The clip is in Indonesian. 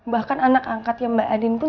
bahkan anak angkatnya mbak adin pun